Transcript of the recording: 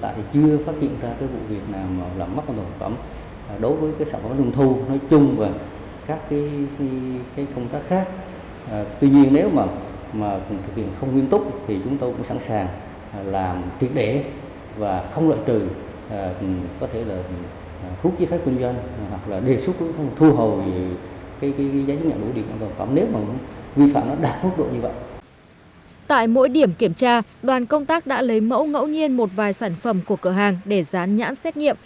tại mỗi điểm kiểm tra đoàn công tác đã lấy mẫu ngẫu nhiên một vài sản phẩm của cửa hàng để dán nhãn xét nghiệm